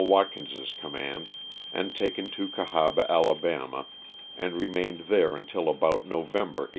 Watkins' command, and taken to Cahaba, Ala., and remained there until about November, 1864.